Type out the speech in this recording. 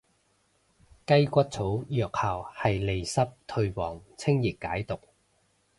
雞骨草藥效係利濕退黃清熱解毒